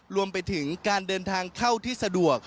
รวมไปถึงการเดินทางเข้าที่สะดวก